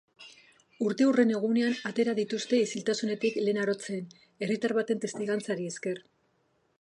Urteurren egunean atera dituzte isiltasunetik Lenarotzen, herritar baten testigantzari esker.